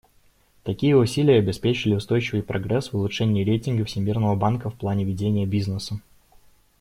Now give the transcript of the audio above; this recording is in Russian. Такие усилия обеспечили устойчивый прогресс в улучшении рейтинга Всемирного банка в плане ведения бизнеса.